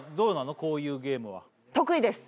こういうゲームは得意です